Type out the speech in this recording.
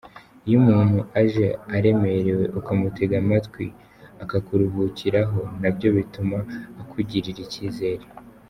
Iyo umuntu aje aremerewe ukamutega amatwi akakuruhukiraho na byo bituma akugirira icyizere.